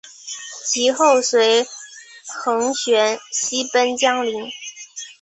及后随桓玄西奔江陵。